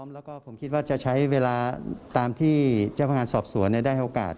แล้วก็ผมคิดว่าจะใช้เวลาตามที่เจ้าพนักงานสอบสวนได้ให้โอกาส